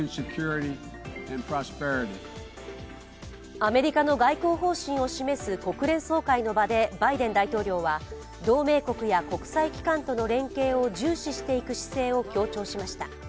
アメリカの外交方針を示す国連総会の場でバイデン大統領は同盟国や国際機関との連携を重視していく姿勢を強調しました。